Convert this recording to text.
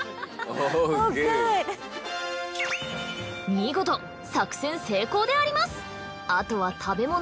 見事作戦成功であります。